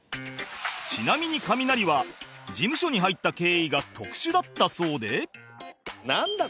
ちなみにカミナリは事務所に入った経緯が特殊だったそうでなんだ？